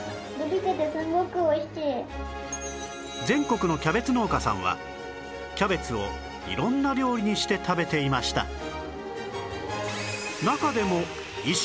全国のキャベツ農家さんはキャベツを色んな料理にして食べていました